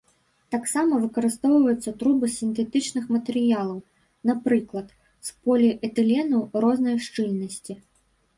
Таксама выкарыстоўваюцца трубы з сінтэтычных матэрыялаў, напрыклад, з поліэтылену рознай шчыльнасці.